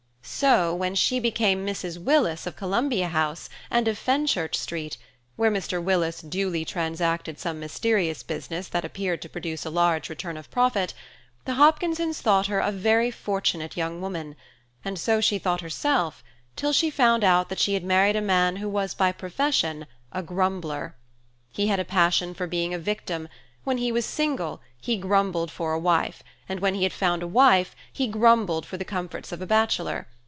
So when she became Mrs. Willis of Columbia House, and of Fenchurch Street, where Mr. Willis duly transacted some mysterious business that appeared to produce a large return of profit, the Hopkinsons thought her a very fortunate young woman, and so she thought herself, till she found out that she had married a man who was by profession a grumbler. He had a passion for being a victim; when he was single, he grumbled for a wife, and when he had found a wife, he grumbled for the comforts of a bachelor.